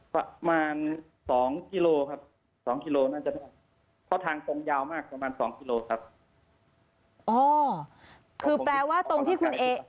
พอที่ตำรวจเขามาขอ